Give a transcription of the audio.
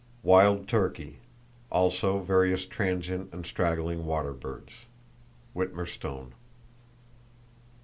Wild turkey; also various transient and straggling water birds.—(Witmer Stone.)